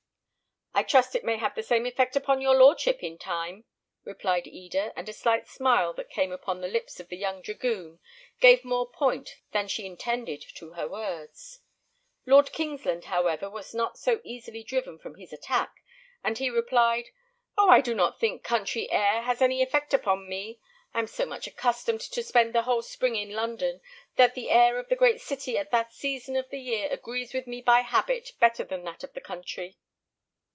"I trust it may have the same effect upon your lordship in time," replied Eda; and a slight smile that came upon the lips of the young dragoon gave more point than she intended to her words. Lord Kingsland, however, was not so easily driven from his attack, and he replied, "Oh! I do not think country air has any effect upon me. I am so much accustomed to spend the whole spring in London, that the air of the great city at that season of the year agrees with me by habit better than that of the country."